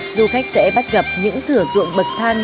du khách sẽ bắt gặp những thử dụng bậc thang